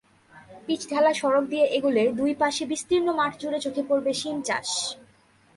পিচঢালা সড়ক দিয়ে এগোলে দুই পাশে বিস্তীর্ণ মাঠজুড়ে চোখে পড়বে শিম চাষ।